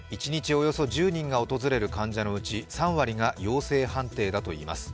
およそ１０人が訪れる患者のうち３割が陽性判定だといいます。